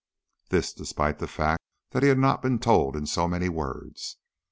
This despite the fact that he had not been told in so many words.